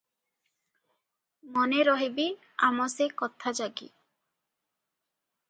ମନେ ରହିବି ଆମ ସେ କଥା ଜାଗି ।